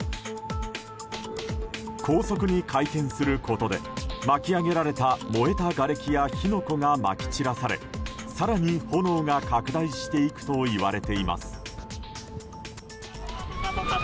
高速に回転することで巻き上げられた燃えたがれきや火の粉がまき散らされ、更に炎が拡大していくといわれています。